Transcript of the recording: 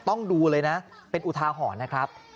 ต้องดูเลยนะเป็นอุทาหรณ์นะครับ